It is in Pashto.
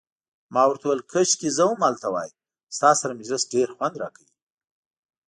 ما ورته وویل: کاشکي زه هم هلته وای، ستا سره مجلس ډیر خوند راکوي.